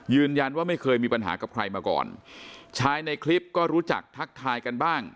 ไม่เคยมีปัญหากับใครมาก่อนชายในคลิปก็รู้จักทักทายกันบ้าง